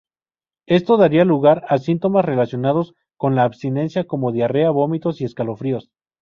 Esto daría lugar a síntomas relacionados con la abstinencia como diarrea, vómitos y escalofríos.